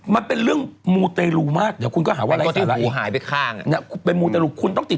มันเป็นเรื่องมูเตรูมากเดี๋ยวคุณก็หาว่าอะไรสามารถ